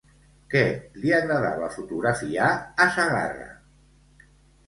Què li agradava fotografiar a Sagarra?